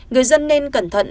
người dân nên cẩn thận